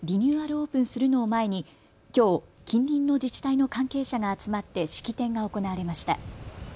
オープンするのを前にきょう近隣の自治体の関係者が集まって式典が行われました。